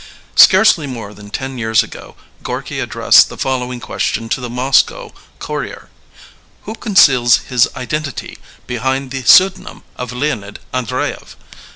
Scarcely more than ten j years ago Gorky addressed the following ! question to the Moscow Courier: "Who conceals his identity behind the pseadonym of Leonid Andreyev!"